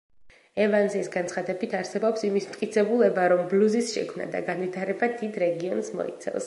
ევანსის განცხადებით, არსებობს იმის მტკიცებულება, რომ ბლუზის შექმნა და განვითარება დიდ რეგიონს მოიცავს.